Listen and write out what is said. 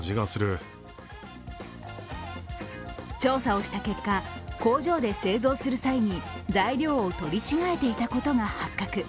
調査をした結果、工場で製造する際に材料を取り違えていたことが発覚。